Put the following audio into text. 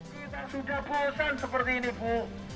kita sudah bosan seperti ini bu